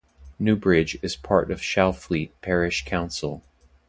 Newbridge is part of Shalfleet parish council.